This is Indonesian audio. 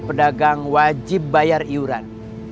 pedagang wajib bayar iuran